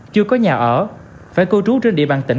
chưa có nhà ở phải cư trú trên địa bàn tỉnh